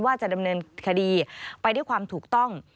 ว่าจะดำเนินคดีไปด้วยความถูกต้อง